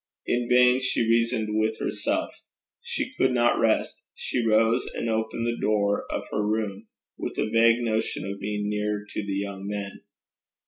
In vain she reasoned with herself: she could not rest. She rose and opened the door of her room, with a vague notion of being nearer to the young men.